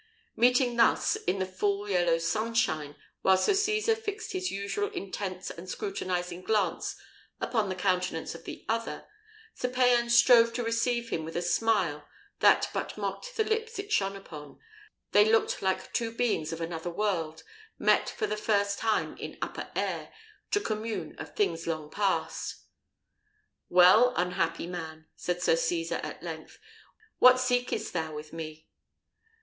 Meeting thus, in the full yellow sunshine, while Sir Cesar fixed his usual intense and scrutinising glance upon the countenance of the other, and Sir Payan strove to receive him with a smile that but mocked the lips it shone upon, they looked like two beings of another world, met for the first time in upper air, to commune of things long past. "Well, unhappy man," said Sir Cesar at length, "what seekest thou with me?"